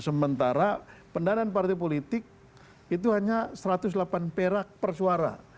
sementara pendanaan partai politik itu hanya satu ratus delapan perak per suara